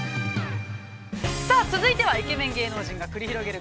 ◆さあ、続いてはイケメン芸能人が繰り広げる